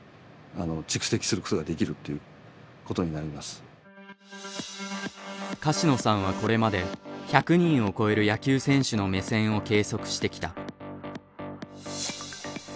問題はその柏野さんはこれまで１００人を超える野球選手の目線を計測してきた。